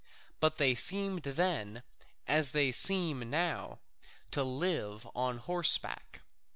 But they seemed then, as they seem now, to live on horseback.